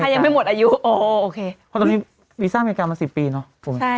อายังไม่หมดอายุโอโอเคเพราะตอนนี้วีซ่ามีอีกการว่าสิบปีนะ